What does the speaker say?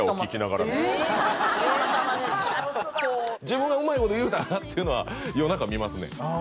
自分がうまいこと言うたなっていうのは夜中見ますねああ